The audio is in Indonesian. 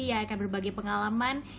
ya akan berbagi pengalaman